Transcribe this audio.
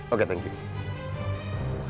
oke terima kasih